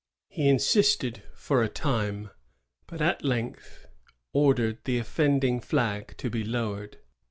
He insisted for a time, but at length ordered the offending flag to be lowered.